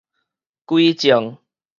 歸正